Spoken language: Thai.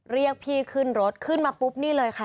เรียกพี่ขึ้นรถขึ้นมาปุ๊บนี่เลยค่ะ